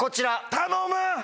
頼む！